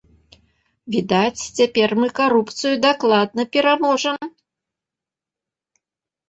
Відаць, цяпер мы карупцыю дакладна пераможам?